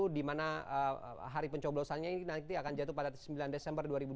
di mana hari pencoblosannya ini nanti akan jatuh pada sembilan desember dua ribu dua puluh